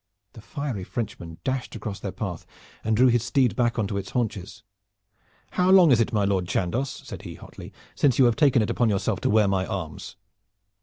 The fiery Frenchman dashed across their path and drew his steed back on to its haunches. "How long is it, my Lord Chandos," said he hotly, "since you have taken it upon yourself to wear my arms?"